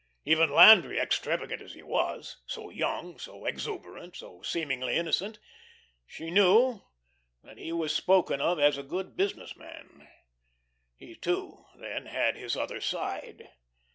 Even Landry, extravagant as he was, so young, so exuberant, so seemingly innocent she knew that he was spoken of as a good business man. He, too, then had his other side.